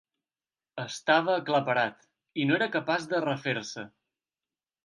Estava aclaparat, i no era capaç de refer-se.